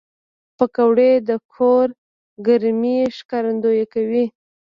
پکورې د کور ګرمۍ ښکارندويي کوي